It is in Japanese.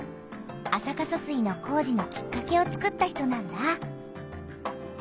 安積疏水の工事のきっかけをつくった人なんだ。